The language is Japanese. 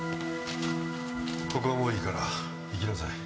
ここはもういいから行きなさい。